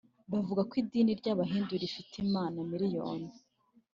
bavuga ko idini ry’abahindu rifite imana miriyoni